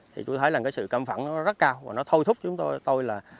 thì tôi thấy là sự cam phẳng nó rất cao và nó thôi thúc chúng tôi là